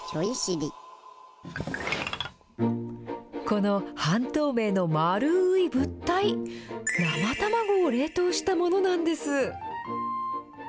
この半透明の丸い物体、生卵を冷凍したものなんです。